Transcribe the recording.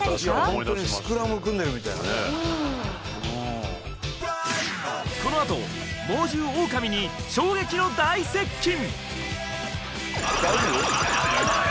ホントにこのあと猛獣オオカミに衝撃の大接近！